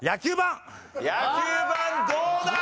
野球盤どうだ？